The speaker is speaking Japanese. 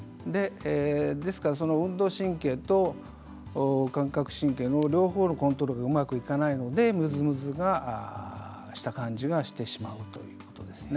ですから運動神経と感覚神経の両方のコントロールがうまくいかないのでムズムズした感じがしてしまうということです。